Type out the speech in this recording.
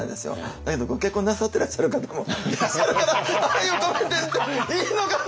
だけどご結婚なさってらっしゃる方もいらっしゃるから「愛を込めて」っていいのかな？